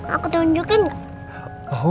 aku tunjukin gak